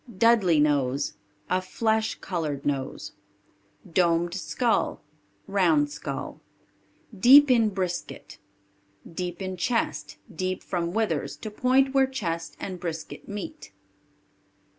Dudley nose. A flesh colored nose. Domed Skull. Round skull. Deep in Brisket. Deep in chest; deep from withers to point where chest and brisket meet.